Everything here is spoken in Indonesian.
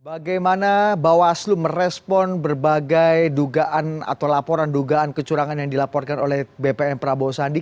bagaimana bawaslu merespon berbagai dugaan atau laporan dugaan kecurangan yang dilaporkan oleh bpn prabowo sandi